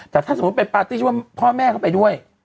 แต่ถ้าสมมุติไปปาร์ตี้ว่าพ่อแม่เขาไปด้วย